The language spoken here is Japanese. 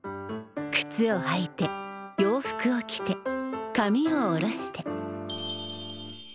くつをはいて洋服を着てかみを下ろして。